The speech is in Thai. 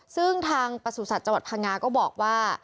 ซึ่งทางปสุศจจภังงาก็บอกว่า